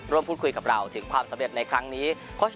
ร่วมพูดคุยกับเราถึงความสำเร็จในครั้งนี้